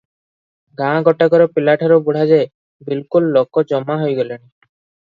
ଗାଁ ଗୋଟାକର ପିଲାଠାରୁ ବୁଢ଼ାଯାଏ ବିଲକୁଲ ଲୋକ ଜମା ହୋଇଗଲେଣି ।